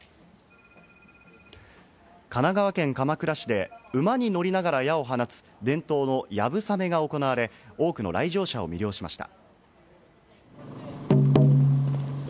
神奈川県鎌倉市で、馬に乗りながら矢を放つ伝統の流鏑馬が行われ、多くの来場者を魅了しました。